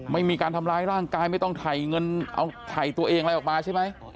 ไม่มีการทำร้ายร่างกายไม่ต้องถ่ายเงินเอาถ่ายตัวเองอะไรออกมาใช่ไหม